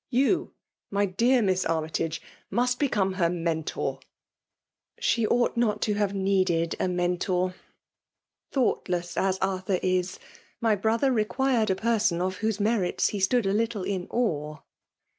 — ^You, my dear Miss Army^ iage, must become her Mentor "^ She ought not to have needed a Mentor. Thoughtless as Arthur is, my brother required a person of whose merits he stood a little in awe.'